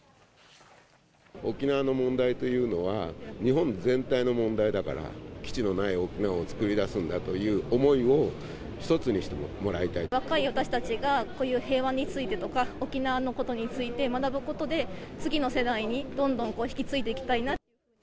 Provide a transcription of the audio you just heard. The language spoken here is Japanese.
沖縄の問題というのは、日本全体の問題だから、基地のない沖縄を作り出すんだという思いを、一つにしてもらいた若い私たちが、こういう平和についてとか、沖縄のことについて学ぶことで、次の世代にどんどん引き継いでいきたいな。